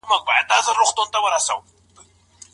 عضوي خواړه څه دي؟